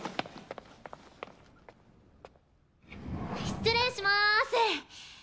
失礼します。